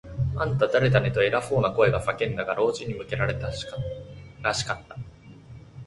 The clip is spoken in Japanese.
「あんた、だれだね？」と、偉そうな声が叫んだが、老人に向けられたらしかった。